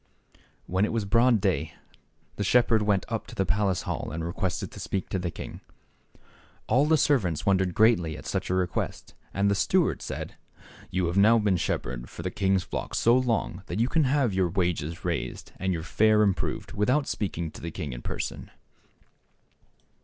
When it was broad day the shepherd went up to the palace hall and requested to speak to the king. All the servants wondered greatly at such THE SHEPHERD BOY. 67 a request, and the steward said " You have now been shepherd for the king's flock so long that you can have your wages raised and your fare improved without speaking to the king in person."